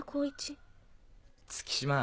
月島